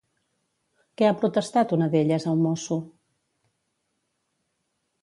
Què ha protestat una d'elles a un mosso?